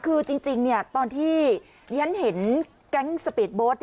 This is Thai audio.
คือจริงตอนที่เรียนเห็นแก๊งสปีดโบสต์